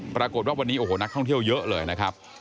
ปรากฏว่าวันนี้โอ้โหนักท่องเที่ยวเยอะเลยนะครับ